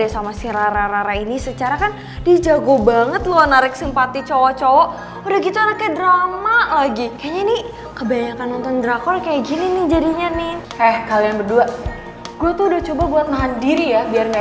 sampai jumpa di video selanjutnya